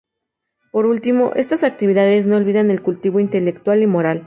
Por último, estas actividades no olvidan el cultivo intelectual y moral.